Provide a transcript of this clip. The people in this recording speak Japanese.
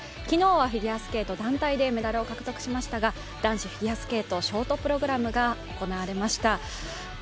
昨日はフィギュアスケート団体でメダルを獲得しましたが男子フィギュアスケートショートプログラムが行われました。